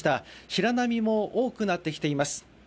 白波も多くなってきています。